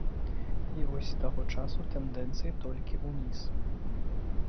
І вось з таго часу тэндэнцыя толькі ўніз.